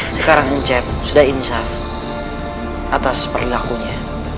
sekarang nceb sudah insaf atas perilakunya